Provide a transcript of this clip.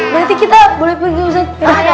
berarti kita boleh pergi usut